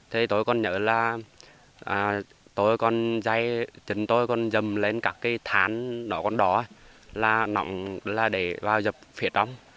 thì tôi còn nhớ là tôi còn dây chúng tôi còn dùm lên các cái thán đỏ con đỏ là để vào dập phía trong